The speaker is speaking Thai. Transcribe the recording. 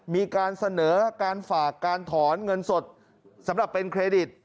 มีการเสนอการฝากการถอนเงินสดสำหรับเป็นเครดิต